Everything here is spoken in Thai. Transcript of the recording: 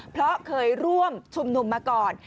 เพราะเคยร่วมชุมนุมมาก่อน